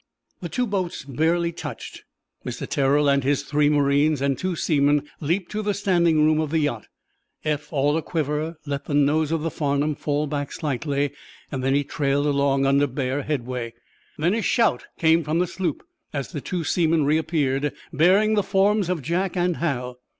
The two boats barely touched. Mr. Terrell, his three marines and two seamen leaped to the standing room of the yacht. Eph, all aquiver, let the nose of the "Farnum" fall back slightly. Then he trailed along, under bare headway. Then a shout came from the sloop, as the two seamen reappeared, bearing the forms of Jack and Hal.